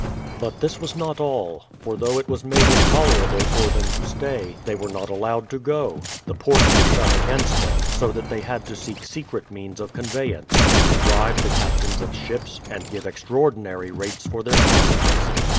But this was not all ; for though it was made intolerable for them to stay, they were not allowed to go; the ports were shut against them, so that they had to seek secret means of conveyance, to bribe the captains of ships, and give extraordinary rates for their passages.